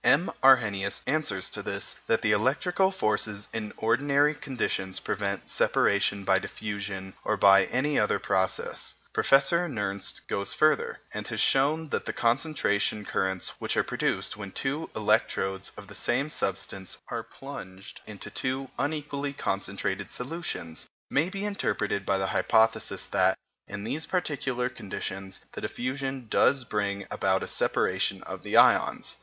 M. Arrhenius answers to this that the electrical forces in ordinary conditions prevent separation by diffusion or by any other process. Professor Nernst goes further, and has shown that the concentration currents which are produced when two electrodes of the same substance are plunged into two unequally concentrated solutions may be interpreted by the hypothesis that, in these particular conditions, the diffusion does bring about a separation of the ions.